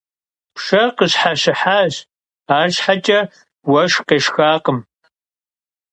Pşşe khışheşıhaş, arşheç'e vueşşx khêşşxakhım.